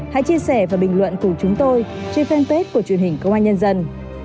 hãy chia sẻ và bình luận cùng chúng tôi trên fanpage của truyền hình công an nhân dân